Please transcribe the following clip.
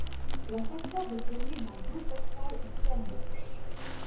La façade est ornée d'un beau portail en pierre blanche.